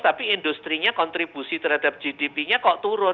tapi industri nya kontribusi terhadap gdp nya kok turun